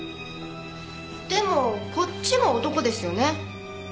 でもこっちも男ですよね？